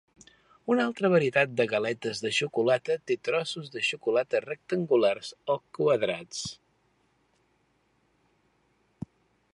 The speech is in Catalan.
Una altra varietat de galetes de xocolata té trossos de xocolata rectangulars o quadrats.